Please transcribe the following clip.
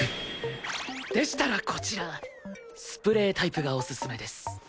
でしたらこちらスプレータイプがおすすめです。